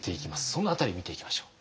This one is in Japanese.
その辺り見ていきましょう。